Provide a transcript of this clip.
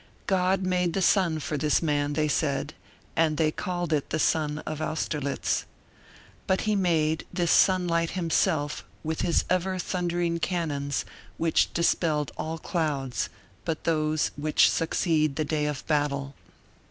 God made the sun for this man, they said, and they called it the Sun of Austerlitz. But he made this sunlight himself with his ever thundering cannons which dispelled all clouds but those which succeed the day of battle.